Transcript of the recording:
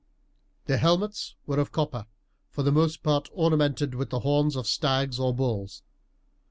Their helmets were of copper, for the most part ornamented with the horns of stags or bulls.